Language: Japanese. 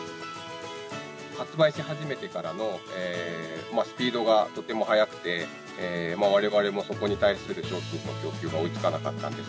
発売し始めてからのスピードがとても速くて、われわれもそこに対する商品の供給が追いつかなかったんです